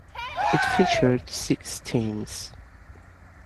It featured six teams.